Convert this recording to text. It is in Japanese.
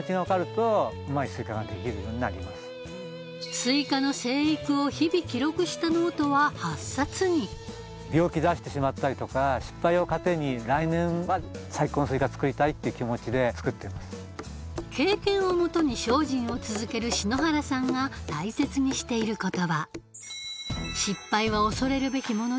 スイカの生育を日々記録したノートは８冊に経験をもとに精進を続ける篠原さんが大切にしている言葉